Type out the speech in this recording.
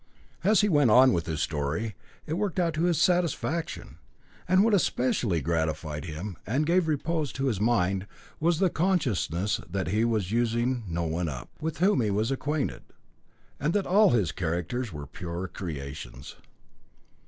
As he went on with his story, it worked out to his satisfaction, and what especially gratified him and gave repose to his mind was the consciousness that he was using no one up, with whom he was acquainted, and that all his characters were pure creations.